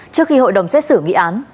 trước khi hội đồng xét xử nghị án